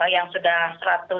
yang sudah seratus ribu